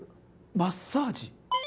マッサージ？